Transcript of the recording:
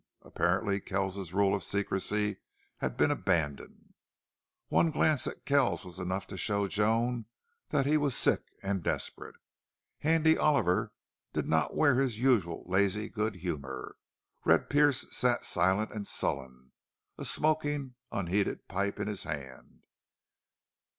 Apparently Kells's rule of secrecy had been abandoned. One glance at Kells was enough to show Joan that he was sick and desperate. Handy Oliver did not wear his usual lazy good humor. Red Pearce sat silent and sullen, a smoking, unheeded pipe in his hand.